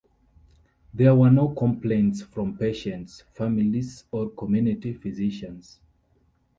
There were no complaints from patients, families or community physicians.